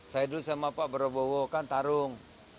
saya dulu sama pak prabowo kan tarung